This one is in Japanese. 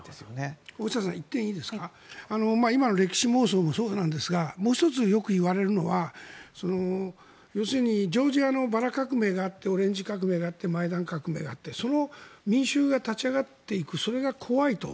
大下さん、１点いいですか今の歴史妄想もそうなんですがもう１つ、よく言われるのは要するにジョージアのバラ革命があってオレンジ革命があってマイダン革命があって民衆が立ち上がっていくそれが怖いと。